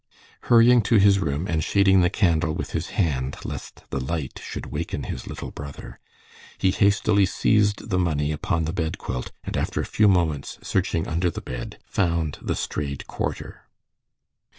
Hurrying to his room, and shading the candle with his hand lest the light should waken his little brother, he hastily seized the money upon the bed quilt, and after a few moments' searching under the bed, found the strayed quarter.